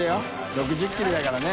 ６０切れだからね。